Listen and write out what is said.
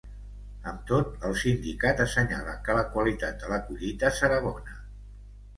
Amb tot, el sindicat assenyala que la qualitat de la collita serà bona.